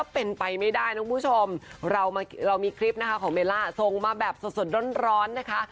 เป็นไปไม่ได้นะคุณผู้ชมเรามีคลิปนะคะของเบลล่าส่งมาแบบสดร้อนนะคะ